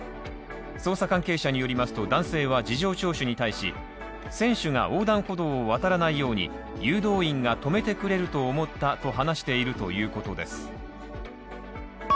捜査関係者によりますと男性は事情聴取に対し、選手が横断歩道を渡らないように、誘導員が止めてくれると思ったと話しているということです。